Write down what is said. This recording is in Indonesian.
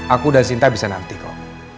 aku dan sinta bisa nanti kok